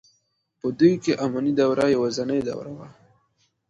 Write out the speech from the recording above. په دوی کې اماني دوره یوازنۍ دوره وه.